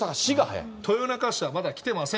豊中市はまだ来てません。